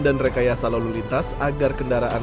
dan rekayasa lalu lintas agar kendaraan